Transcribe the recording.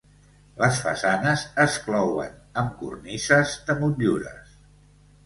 Les façanes es clouen amb cornises de motllures.